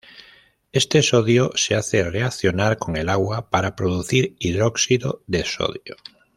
Este sodio se hace reaccionar con el agua para producir hidróxido de sodio.